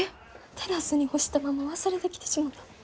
テラスに干したまま忘れてきてしもた。